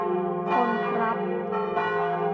คนครับ